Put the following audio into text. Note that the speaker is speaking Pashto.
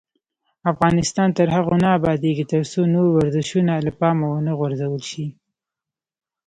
افغانستان تر هغو نه ابادیږي، ترڅو نور ورزشونه له پامه ونه غورځول شي.